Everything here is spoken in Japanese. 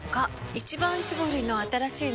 「一番搾り」の新しいの？